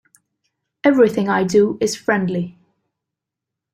Everything I do is friendly.